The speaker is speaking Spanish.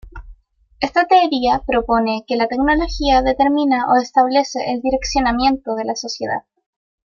Esta teoría propone que la tecnología determina o establece el direccionamiento de la sociedad.